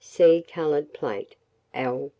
See coloured plate, L1.